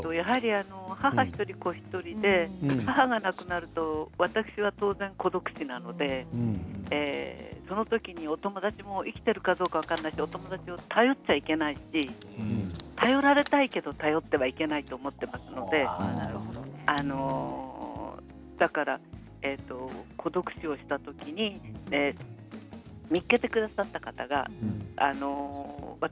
母１人、子１人で母が亡くなると私は当然、孤独死なのでその時は、お友達も生きているかどうか分からないしお友達を頼っちゃいけないし頼られたいけど頼ってはいけないと思っていますので孤独死をした時に見つけてくださった方が私